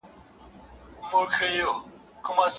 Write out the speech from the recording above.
هره خوا تپه تیاره ده له ماښامه تر ماښامه